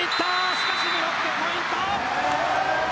しかしブロックポイント。